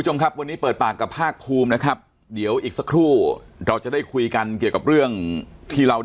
เงินเนี่ยไม่ได้ไปซื้อตลาด